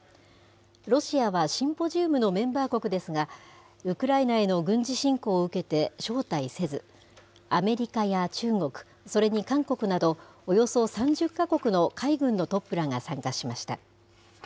ロシアはシンポジウムのメンバー国ですが、ウクライナへの軍事侵攻を受けて招待せず、アメリカや中国、それに韓国などおよそ３０か国の海軍のトップらが参加しました。